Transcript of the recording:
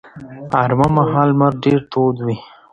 غرمه مهال لمر ډېر تود وي